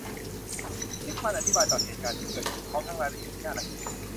ซิกมันด์อธิบายเหตุการณ์ที่เกิดขึ้นพร้อมทั้งรายละเอียดที่น่ารังเกียจ